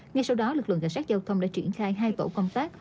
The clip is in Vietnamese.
ngay sau đó lực lượng cảnh sát giao thông đã triển khai hai tổ công tác